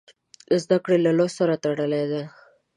زده کړه له لوست سره تړلې ده.